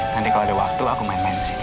nanti kalau ada waktu aku main main di sini